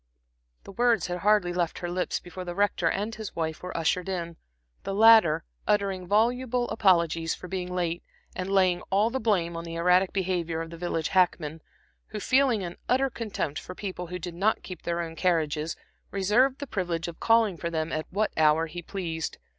The words had hardly left her lips before the Rector and his wife were ushered in, the latter uttering voluble apologies for being late, and laying all the blame on the erratic behavior of the village hackman, who feeling an utter contempt for people who did not keep their own carriages, reserved the privilege of calling for them at what hour he pleased.